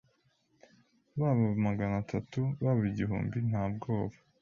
baba magana atatu, baba igihumbi, ntabwoba